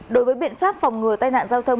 đối với biện pháp phòng ngừa tai nạn giao thông